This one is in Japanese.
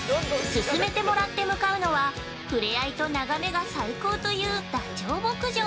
◆勧めてもらって向かうのは、ふれあいと眺めが最高というダチョウ牧場。